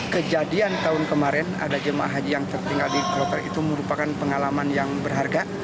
kejadian tahun kemarin ada jemaah haji yang tertinggal di kloter itu merupakan pengalaman yang berharga